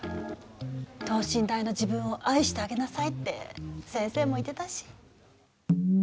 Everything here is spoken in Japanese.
等身大の自分を愛してあげなさいって先生も言ってたし。